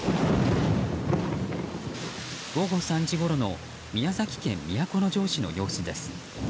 午後３時ごろの宮崎県都城市の様子です。